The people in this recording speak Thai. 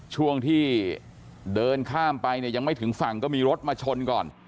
ช่วงที่เดินข้ามไปเนี่ยยังไม่ถึงฝั่งก็มีรถมาชนก่อน